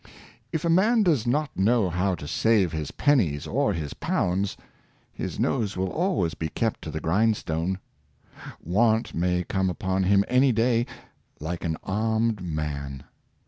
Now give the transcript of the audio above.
If a man does not know how to save his pennies or his pounds, his nose will always be kept to the grind stone. Want may come upon him any day, " like an armed man."